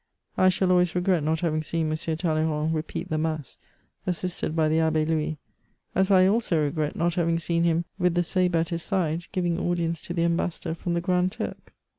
I shall always regret not having seen M. Talleyrand repeat the mass, assisted by the Abbe Louis, as I also regret not having seen him, with the sabre at his side, giving audience to the ambassador from the Grand Turk.